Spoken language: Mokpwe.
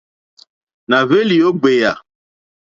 Nà hwélì ó ɡbèyà.